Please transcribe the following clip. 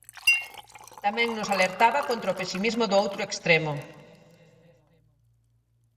Tamén nos alertaba contra o pesimismo do outro extremo.